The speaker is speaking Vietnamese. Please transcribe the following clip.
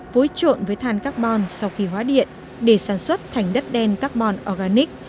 vối trộn với than carbon sau khi hóa điện để sản xuất thành đất đen carbon organic